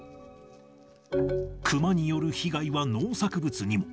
クマによる被害は農作物にも。